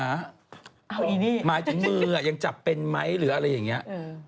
เอ้าอีนี่หมายถึงมืออ่ะยังจับเป็นไหมหรืออะไรอย่างเงี้ย